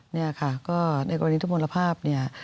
เนี่ยค่ะก็ในกรณีทุกมลภาพเนี่ย